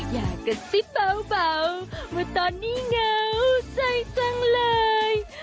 อย่ากระซิบเบาว่าตอนนี้เหงาใจจังเลย